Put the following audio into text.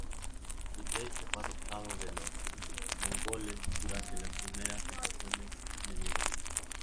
Se cree que fue adoptado de los mongoles durante las primeras invasiones medievales.